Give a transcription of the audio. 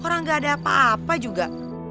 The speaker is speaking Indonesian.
orang gak ada apa apa juga